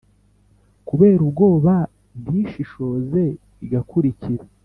kubera ubwoba ntishishoze igakurikira.